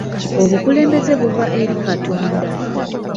Obukulembeze buva eri Katonda.